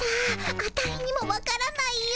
アタイにもわからないよ。